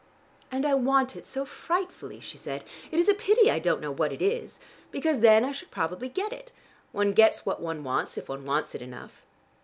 "And I want it so frightfully," she said. "It is a pity I don't know what it is. Because then I should probably get it. One gets what one wants if one wants enough."